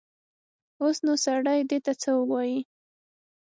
اوس نو سړی ده ته څه ووايي.